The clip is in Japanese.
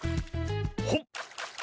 ほっ！